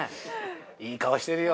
いい顔してるよ。